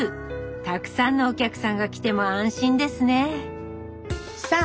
たくさんのお客さんが来ても安心ですねさあ